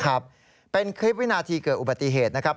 ครับเป็นคลิปวินาทีเกิดอุบัติเหตุนะครับ